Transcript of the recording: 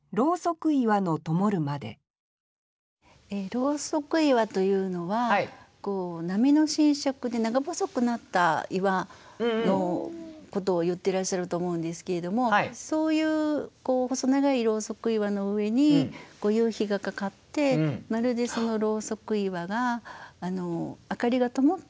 「ローソク岩」というのは波の浸食で長細くなった岩のことを言ってらっしゃると思うんですけれどもそういう細長いローソク岩の上に夕日がかかってまるでそのローソク岩が明かりが灯ったみたいに見えたというそういう句ですね。